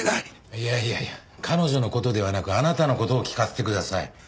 いやいやいや彼女の事ではなくあなたの事を聞かせてください。